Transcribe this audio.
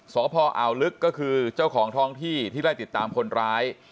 สพอ่าวลึกก็คือเจ้าของท้องที่ที่ไล่ติดตามคนร้าย